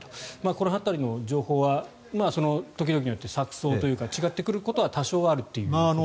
この辺りの情報はその時々によって錯そうというか違ってくることは多少あるということですね。